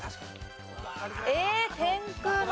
えっ天空の。